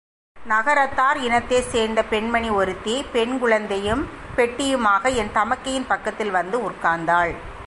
நகரத்தார் இனத்தைச் சேர்ந்த பெண்மணி ஒருத்தி, பெண்குழந்தையும் பெட்டியுமாக என் தமக்கையின் பக்கத்தில் வந்து உட்கார்ந்தாள்.